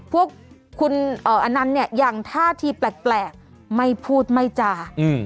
พวกคุณเอ่ออันนั้นเนี่ยอย่างท่าทีแปลกแปลกไม่พูดไม่จ่าอืม